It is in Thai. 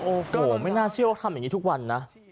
โอ้โหไม่น่าเชื่อว่าทำอย่างนี้ทุกวันนะ